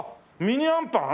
ミニあんぱん？